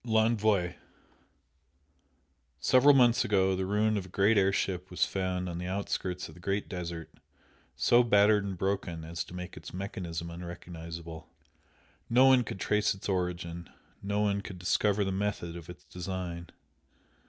L'Envoi Several months ago the ruin of a great air ship was found on the outskirts of the Great Desert so battered and broken as to make its mechanism unrecognisable. No one could trace its origin, no one could discover the method of its design.